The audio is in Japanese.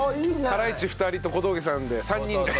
ハライチ２人と小峠さんで３人で。